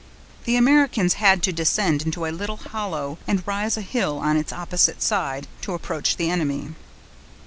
The Americans had to descend into a little hollow, and rise a hill on its opposite side, to approach the enemy.